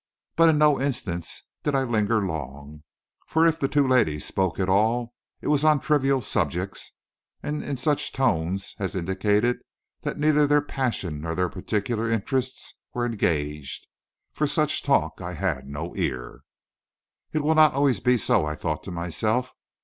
But in no instance did I linger long, for if the two ladies spoke at all it was on trivial subjects, and in such tones as indicated that neither their passions nor any particular interests were engaged. For such talk I had no ear. "It will not be always so," I thought to myself.